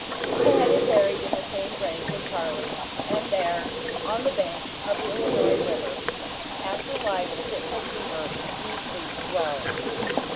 I had him buried in the same grave with Charlie; and there, on the banks of the Illinois river, "After life's fitful fever he sleeps well."